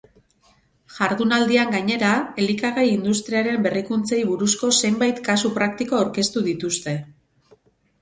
Jardunaldian, gainera, elikagai industriaren berrikuntzei buruzko zenbait kasu praktiko aurkeztu dituzte.